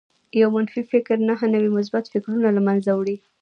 يو منفي فکر نهه نوي مثبت فکرونه لمنځه وړي